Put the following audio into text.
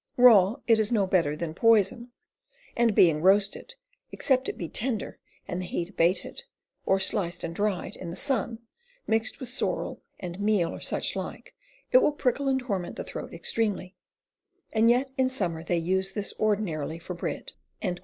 Raw it is no better than poyson, and being roasted, except it be tender and the heat abated, or sliced and dryed in the Sunne, mixed with sorrell and meale or such like, it will prickle and torment the throat extreamely, and yet in sommer they vse this ordinarily for bread."